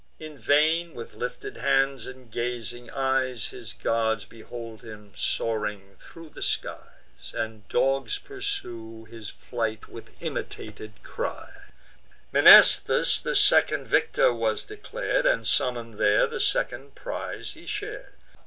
In vain, with lifted hands and gazing eyes, His guards behold him soaring thro' the skies, And dogs pursue his flight with imitated cries. Mnestheus the second victor was declar'd; And, summon'd there, the second prize he shar'd.